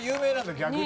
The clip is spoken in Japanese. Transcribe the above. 逆に。